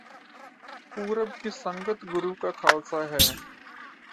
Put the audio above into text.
ਪੂਰਬ ਕੀ ਸੰਗਤ ਗੁਰੁ ਕਾ ਖਾਲਸਾ ਹੈ